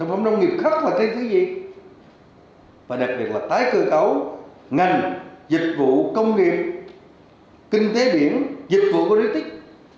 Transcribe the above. sản phẩm nông nghiệp khác là cái thứ gì và đặc biệt là tái cơ cấu ngành dịch vụ công nghiệp kinh tế biển dịch vụ của đối tích